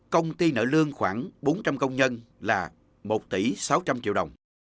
công ty nợ lương khoảng bốn trăm linh công nhân là một tỷ sáu trăm linh triệu đồng